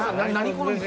この店。